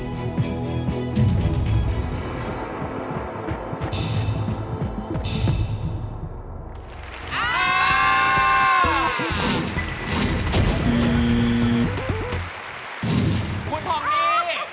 คุณพร้อมหนีมาอยู่กับอ๋องได้อย่างยิ่งดี